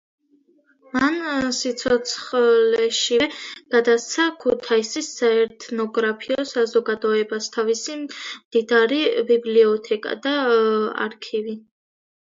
მან სიცოცხლეშივე გადასცა ქუთაისის საეთნოგრაფიო საზოგადოებას თავისი მდიდარი ბიბლიოთეკა და არქივი.